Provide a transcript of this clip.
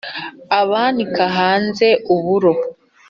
abanika ahanze uburo